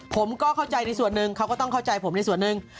ผมก็เข้าใจในส่วนหนึ่งเขาก็ต้องเข้าใจผมในส่วนหนึ่ง